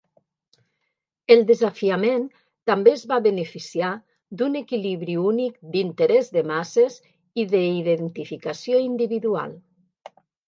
El desafiament també es va beneficiar d'un equilibri únic d'interès de masses i d'identificació individual.